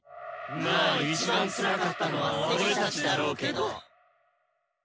まあ一番つらかったのは私・僕・俺たちだろうけど。